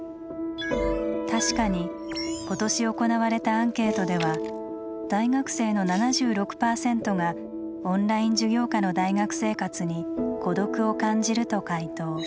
確かに今年行われたアンケートでは大学生の７６％がオンライン授業下の大学生活に「孤独」を感じると回答。